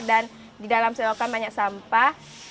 dan di dalam selokan banyak sampah